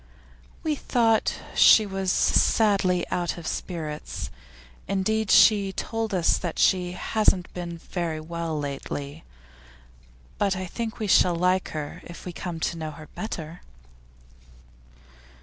'We thought she was sadly out of spirits. Indeed she told us that she hasn't been very well lately. But I think we shall like her if we come to know her better.